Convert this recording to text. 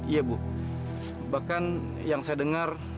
iya bu bahkan yang saya dengar